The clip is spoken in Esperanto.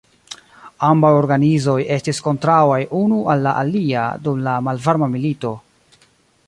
Ambaŭ organizoj estis kontraŭaj unu al la alia dum la malvarma milito.